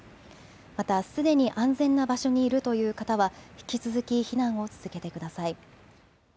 またすでに安全な場所にいるという方は引き続き避難を続けてください。